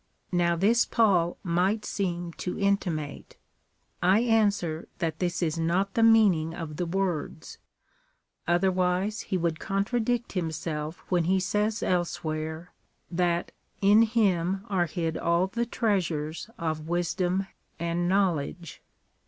Now this Paul might seem to intimate." I answer that this is not the meaning of the words ; otherwise he would contradict himself when he says elsewhere, that " in him are hid all the treasures of wisdom and knowledge."